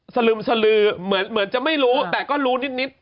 สลึมสลือเหมือนจะไม่รู้แต่ก็รู้นิด